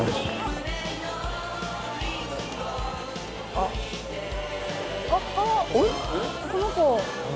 あっあっこの子。